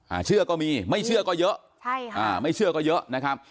อ่าเชื่อก็มีไม่เชื่อก็เยอะใช่ค่ะอ่าไม่เชื่อก็เยอะนะครับ